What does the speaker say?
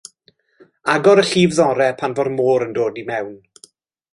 Agorir y llif-ddorau pan fo'r môr yn dod i mewn.